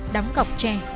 đắm cọc trẻ